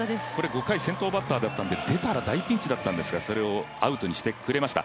５回先頭バッターだったので出たら大ピンチだったんですがそれをアウトにしてくれました。